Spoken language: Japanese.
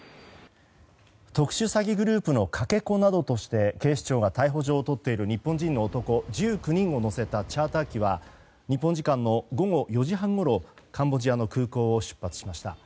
特殊詐欺グループのかけ子などとして警視庁が逮捕状をとっている日本人の男１９人を乗せたチャーター機は日本時間の午後４時半ごろカンボジアの空港を出発しました。